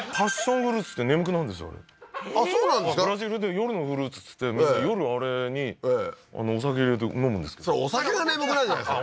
ブラジルでは夜のフルーツっつって夜あれにお酒入れて飲むんですけどそれお酒が眠くなるんじゃないですか？